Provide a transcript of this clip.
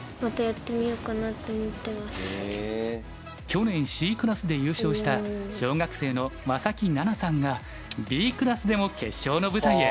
去年Ｃクラスで優勝した小学生の正木那奈さんがＢクラスでも決勝の舞台へ。